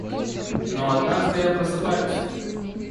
Но однажды я просыпаюсь...